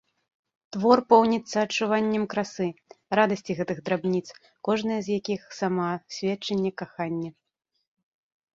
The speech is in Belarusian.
Твор поўніцца адчуваннем красы, радасці гэтых драбніц, кожная з якіх сама сведчанне кахання.